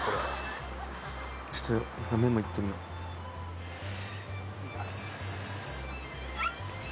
ちょっと麺もいってみよういきます